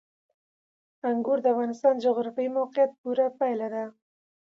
انګور د افغانستان د جغرافیایي موقیعت پوره پایله ده.